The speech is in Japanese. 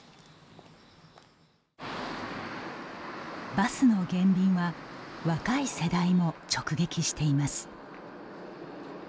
バスの減便は若い世代も直撃しています。